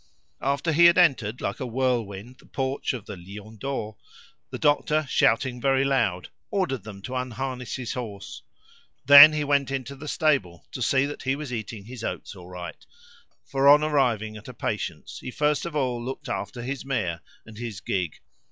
After he had entered like a whirlwind the porch of the "Lion d'Or," the doctor, shouting very loud, ordered them to unharness his horse. Then he went into the stable to see that she was eating her oats all right; for on arriving at a patient's he first of all looked after his mare and his gig.